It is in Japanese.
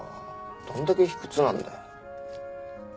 どんだけ卑屈なんだよ。